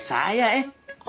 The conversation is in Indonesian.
orang teh tidak bakal tergoda